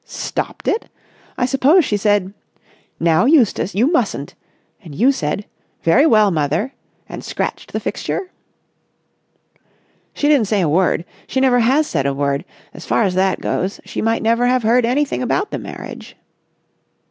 "Stopped it? I suppose she said 'Now, Eustace, you mustn't!' and you said 'Very well, mother!' and scratched the fixture?" "She didn't say a word. She never has said a word. As far as that goes, she might never have heard anything about the marriage."